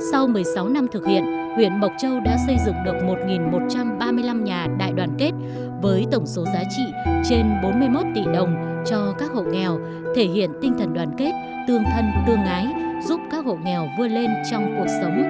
sau một mươi sáu năm thực hiện huyện mộc châu đã xây dựng được một một trăm ba mươi năm nhà đại đoàn kết với tổng số giá trị trên bốn mươi một tỷ đồng cho các hộ nghèo thể hiện tinh thần đoàn kết tương thân tương ái giúp các hộ nghèo vươn lên trong cuộc sống